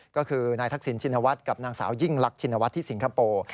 ก็คือนายทักษิณชินวัฒน์กับนางสาวยิ่งลักชินวัฒน์ที่สิงคโปร์